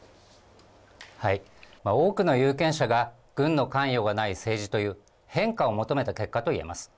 多くの有権者が軍の関与がない政治という、変化を求めた結果といえます。